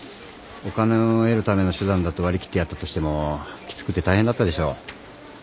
お金を得るための手段だと割り切ってやったとしてもきつくて大変だったでしょう。